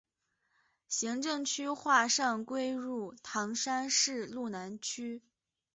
行政区划上归入唐山市路南区。